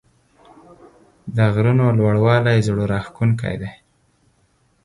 د غرونو لوړوالی زړه راښکونکی دی.